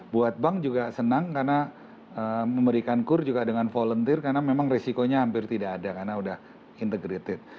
buat bank juga senang karena memberikan kur juga dengan volunteer karena memang risikonya hampir tidak ada karena sudah integrated